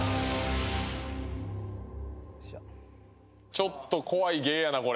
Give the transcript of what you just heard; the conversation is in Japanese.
「ちょっと怖い芸やなこれ」